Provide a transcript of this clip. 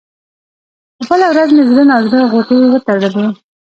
په بله ورځ مې زړه نا زړه غوټې وتړلې.